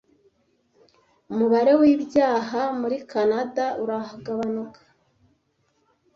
Umubare w'ibyaha muri Kanada uragabanuka.